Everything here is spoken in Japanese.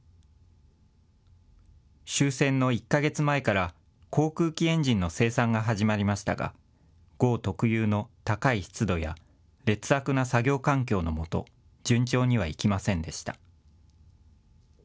終戦の１か月前から航空機エンジンの生産が始まりましたが、ごう特有の高い湿度や劣悪な作業環境のもと順調にはいきませんでした。